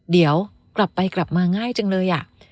เดี๋ยวกลับไปกลับมาง่ายจังเลย